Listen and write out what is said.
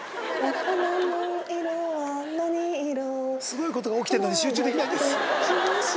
すごいことが起きてるのに集中できないです。